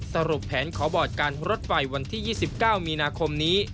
สรุปแผนขอบอร์ดการรถไฟวันที่๒๙มีนาคมนี้